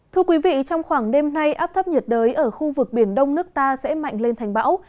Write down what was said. thưa quý vị trong khoảng đêm nay áp thấp nhiệt đới ở khu vực biển đông nước ta sẽ mạnh lên thành bão